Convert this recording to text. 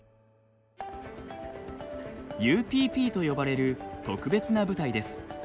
ＵＰＰと呼ばれる特別な部隊です。